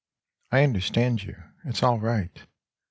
I understand you. It's all right.